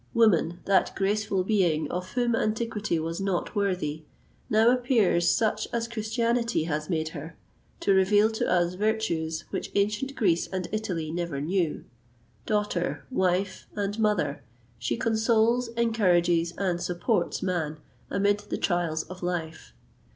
Woman, that graceful being of whom antiquity was not worthy, now appears such as Christianity has made her, to reveal to us virtues which ancient Greece and Italy never knew. Daughter, wife, and mother, she consoles, encourages, and supports man amid the trials of life.